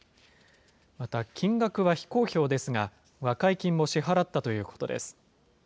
また、金額は非公表ですが、和解金も支払ったということです。